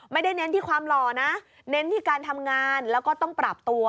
เน้นที่ความหล่อนะเน้นที่การทำงานแล้วก็ต้องปรับตัว